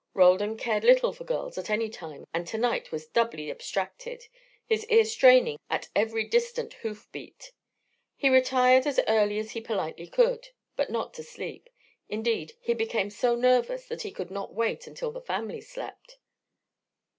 Roldan cared little for girls at any time, and to night was doubly abstracted, his ear straining at every distant hoof beat. He retired as early as he politely could, but not to sleep. Indeed, he became so nervous that he could not wait until the family slept.